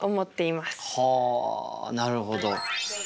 はあなるほど。